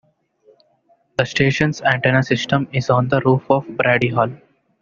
The station's antenna system is on the roof of Brady Hall.